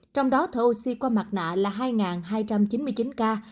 trong đó thở oxy qua mặt nạ là hai hai trăm chín mươi chín ca